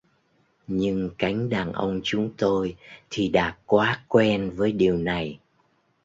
Nhưng cánh đàn ông chúng tôi thì đã quá quen với điều này